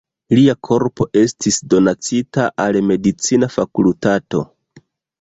Lia korpo estis donacita al medicina fakultato.